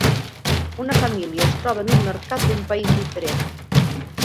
Una família es troba en un mercat d'un país diferent.